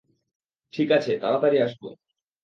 ঠিকাছে, তারাতাড়ি আসবে।